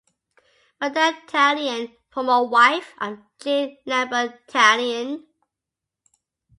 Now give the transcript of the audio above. Madame Tallien, former wife of Jean Lambert Tallien.